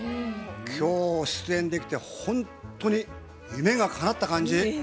今日出演できてほんとに夢がかなった感じ。